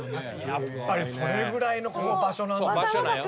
やっぱりそれぐらいのこの場所なんですよ。